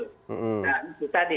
nah itu tadi